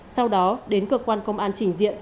sau đó đến cơ quan công an trình diện